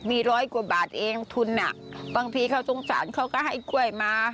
มีร้อยกว่าบาทเองทุนบางทีเขาสงสารเขาก็ให้กล้วยมา